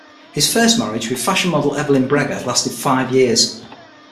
His first marriage, with fashion model Evelyn Breger, lasted five years.